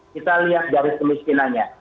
kita lihat dari kemiskinannya